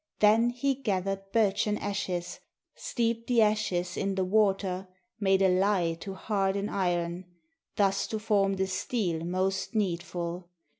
Then he gathered birchen ashes, Steeped the ashes in the water, Made a lye to harden iron, Thus to form the steel most needful.